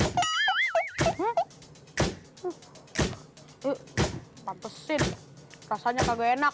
tuh pantesin rasanya kagak enak